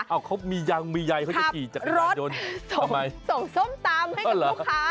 เอาเขามียังมีใยเขาจะขี่จักรยานยนต์ทำไมส่งส้มตำให้กับลูกค้า